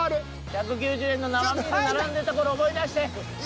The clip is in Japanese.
１９０円の生ビール並んでたころ思い出して。